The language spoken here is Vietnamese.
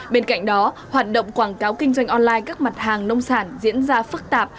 bên cạnh đó hoạt động quảng cáo kinh doanh online các mặt hàng nông sản diễn ra phức tạp